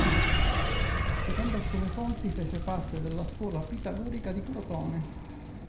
Secondo alcune fonti, fece parte della scuola pitagorica di Crotone.